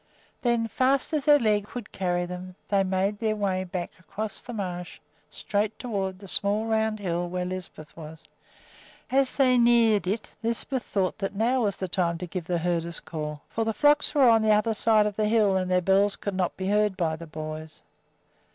Then, as fast as their legs could carry them, they made their way back across the marsh straight toward the small round hill where Lisbeth was. As they neared it Lisbeth thought that now was the time to give the herder's call, for the flocks were on the other side of the hill and their bells could not be heard by the boys.